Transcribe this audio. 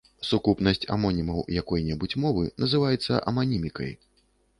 Сукупнасць амонімаў якой-небудзь мовы называецца аманімікай.